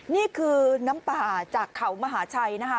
นี่คือน้ำป่าจากเขามหาชัยนะคะ